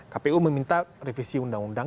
kpu meminta revisi undang undang